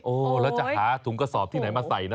แล้วจะหาถุงกระสอบที่ไหนมาใส่นะ